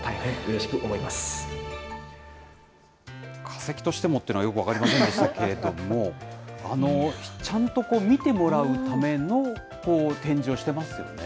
化石として持っていうのは、よく分かりませんでしたけれども、ちゃんと見てもらうための展示をしてますよね。